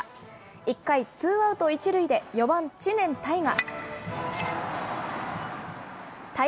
１回、ツーアウト１塁で４番知念大河。